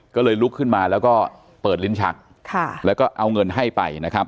ก็เลยลุกขึ้นมาแล้วก็เปิดลิ้นชักแล้วก็เอาเงินให้ไปนะครับ